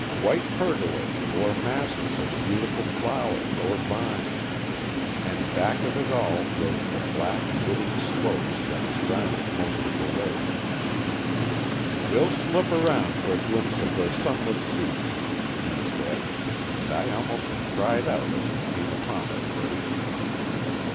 White pergolas bore masses of beautiful flowers or vines, and back of it all rose the black, wooded slopes that surrounded most of the lake. "We'll slip around for a glimpse of the Sunless Sea," Kee said, and I almost cried out as we came upon the place.